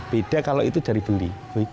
beda kalau itu dari beli